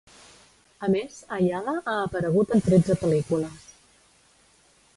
A més, Ayala ha aparegut en tretze pel·lícules.